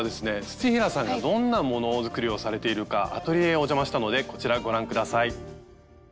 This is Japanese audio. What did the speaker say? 土平さんがどんな物作りをされているかアトリエへお邪魔したのでこちらご覧下さい。